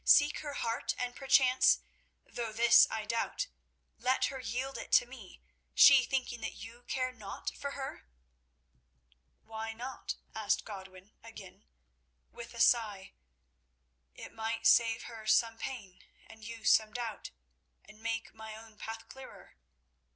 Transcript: "Seek her heart, and perchance—though this I doubt—let her yield it to me, she thinking that you care naught for her?" "Why not?" asked Godwin again, with a sigh; "it might save her some pain and you some doubt, and make my own path clearer.